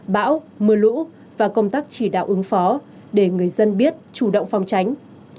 bão mưa lũ và công tác chỉ đạo ứng phó để người dân biết chủ động phòng tránh